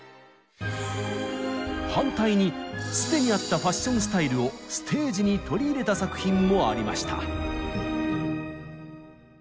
反対に既にあったファッションスタイルをステージに取り入れた作品もありました。